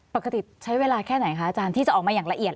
ปกติใช้เวลาแค่ไหนคะอาจารย์ที่จะออกมาอย่างละเอียด